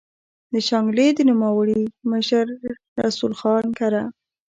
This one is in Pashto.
د شانګلې د نوموړي مشر رسول خان کره